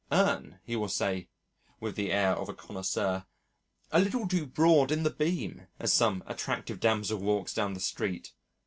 "Urn," he will say, with the air of a connoisseur, "a little too broad in the beam," as some attractive damsel walks down the street.